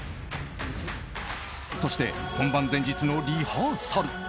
そして、本番前日のリハーサル。